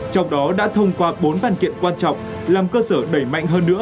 trong đó đã thông qua bốn văn kiện quan trọng làm cơ sở đẩy mạnh hơn nữa